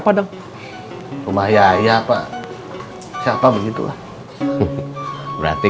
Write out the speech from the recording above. kalau kau ikut pesaro